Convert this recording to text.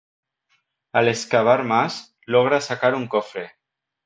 Al excavar más, logra sacar un cofre.